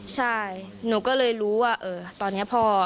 ใช่หนูก็เลยรู้ว่าตอนนี้พ่อ